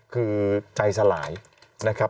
คือใจสลายนะครับ